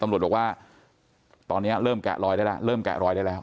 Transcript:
ตำรวจบอกว่าตอนนี้เริ่มแกะรอยได้แล้วเริ่มแกะรอยได้แล้ว